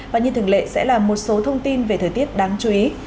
và như thường lệ sẽ là một số thông tin về thời tiết đáng chú ý